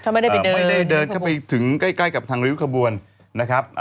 ไม่ได้เดินเข้าไปถึงใกล้กับทางรีวิวกระบวนนะครับ